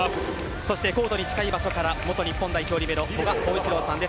そしてコートに近い場所から元日本代表リベロ・古賀幸一郎さんです。